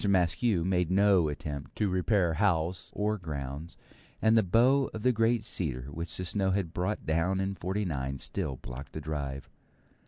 Maskew made no attempt to repair house or grounds, and the bough of the great cedar which the snows had brought down in '49 still blocked the drive.